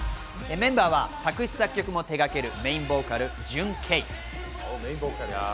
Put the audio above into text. メンバーは作詞作曲も手がけるメインボーカル、ジュンケイ。